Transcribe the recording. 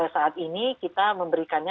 saat ini kita memberikannya